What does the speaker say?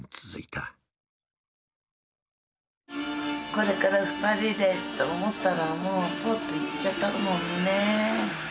これから２人でと思ったらもうぽっと逝っちゃったもんね。